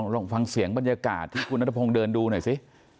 ลองฟังเสียงบรรยากาศที่คุณนัทพงศ์เดินดูหน่อยสิ